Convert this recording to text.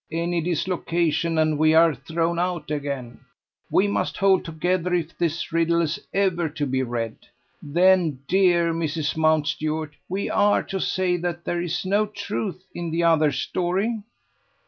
"Any dislocation, and we are thrown out again! We must hold together if this riddle is ever to be read. Then, dear Mrs. Mountstuart, we are to say that there is no truth in the other story?"